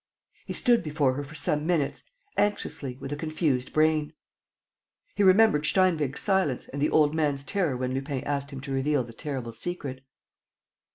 He stood before her for some minutes, anxiously, with a confused brain. He remembered Steinweg's silence and the old man's terror when Lupin asked him to reveal the terrible secret.